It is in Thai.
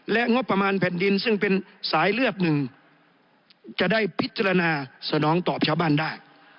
และงบประมาณแผ่นดินซึ่งเป็นสายเลือดหนึ่งจะได้พิจารณาสนองตอบชาวบ้านได้